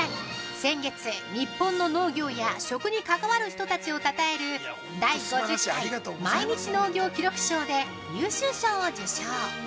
先月、日本の農業や食に関わる人たちを讃える第５０回毎日農業記録賞で優秀賞を受賞。